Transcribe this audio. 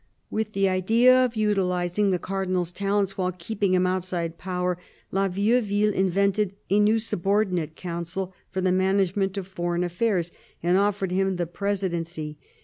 With the idea of utilising the Cardinal's talents while keeping him outside power. La Vieuville invented a new subordinate Council for the management of foreign affairs, and offered him the presidency.